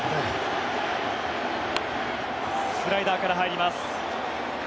スライダーから入ります。